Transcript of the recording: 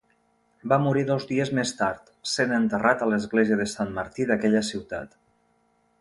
Va morir dos dies més tard, sent enterrat a l'església de Sant Martí d'aquella ciutat.